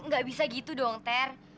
nggak bisa gitu dong ter